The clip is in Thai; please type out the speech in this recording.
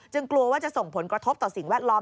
กลัวว่าจะส่งผลกระทบต่อสิ่งแวดล้อม